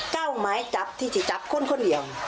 เก้าสิ่งจับที่คุณคนเดียว